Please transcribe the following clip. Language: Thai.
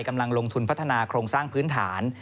กำลังลงทุนพัฒนาโครงสร้างพื้นฐาน